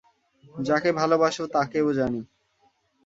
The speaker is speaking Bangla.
যাকে ভালোবাস তাকেও জানি।